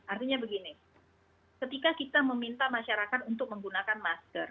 artinya begini ketika kita meminta masyarakat untuk menggunakan masker